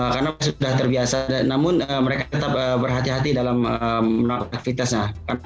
karena sudah terbiasa namun mereka tetap berhati hati dalam melakukan aktivitasnya